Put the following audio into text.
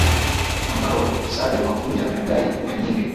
ambao ni Kusaga Makunja Magai Majinge